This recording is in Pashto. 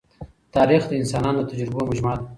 تاریخ د انسانانو د تجربو مجموعه ده.